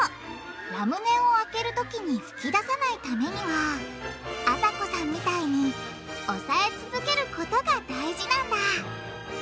ラムネを開ける時に噴き出さないためにはあさこさんみたいに押さえ続けることが大事なんだ！